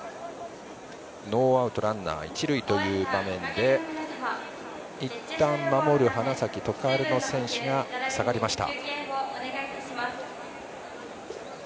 ノーアウトランナー、一塁という場面でいったん守る花咲徳栄の選手が下がりました。